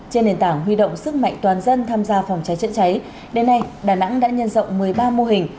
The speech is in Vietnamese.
trên nền tảng huy động sức mạnh toàn dân tham gia phòng cháy chữa cháy đến nay đà nẵng đã nhân rộng một mươi ba mô hình